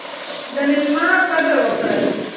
د میلمه قدر وکړئ.